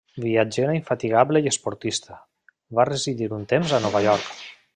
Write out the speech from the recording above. Viatgera infatigable i esportista, va residir un temps a Nova York.